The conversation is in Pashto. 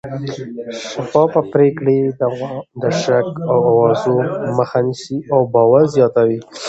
شفافه پرېکړې د شک او اوازو مخه نیسي او باور زیاتوي